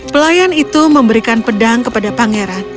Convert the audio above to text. pelayan itu memberikan pedang kepada pangeran